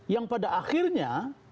yang pada akhirnya